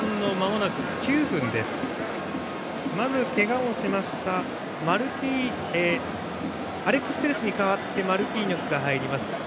まず、けがをしましたアレックス・テレスに代わってマルキーニョスが入ります。